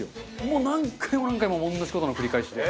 何回も何回も同じ事の繰り返しで。